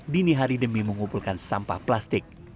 dinihari demi mengumpulkan sampah plastik